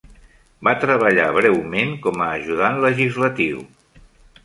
Va treballar breument com a ajudant legislatiu.